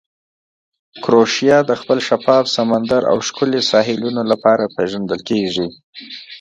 کروشیا د خپل شفاف سمندر او ښکلې ساحلونو لپاره پېژندل کیږي.